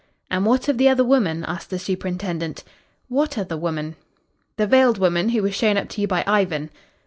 "And what of the other woman?" asked the superintendent. "What other woman?" "The veiled woman who was shown up to you by Ivan."